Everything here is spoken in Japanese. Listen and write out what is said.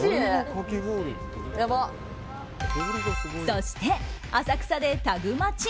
そして、浅草でタグマチ。